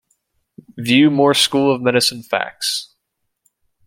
View more School of Medicine facts.